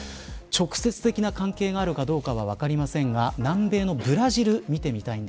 直接的な関係があるかどうかは分かりませんが南米のブラジルを見てみます。